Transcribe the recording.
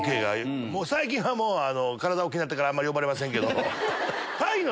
最近は体大きくなってからあんまり呼ばれませんけど。